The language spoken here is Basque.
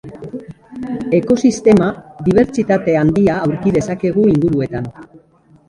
Ekosistema dibertsitate handia aurki dezakegu inguruetan.